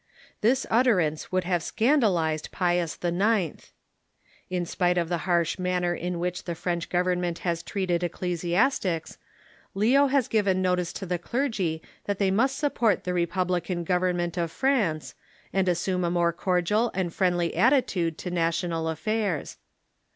This utterance would have scandalized Pius IX. In spite of the harsh manner in which the French government has treated ecclesiastics, Leo has given notice to the clergy that they must support the republican government of France, and assume a more cordial and friendly attitude to national affairs.